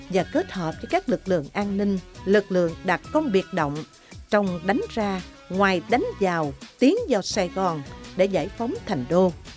và kết hợp với các lực lượng an ninh lực lượng đặc công biệt động trong đánh ra ngoài đánh vào tiến vào sài gòn để giải phóng thành đô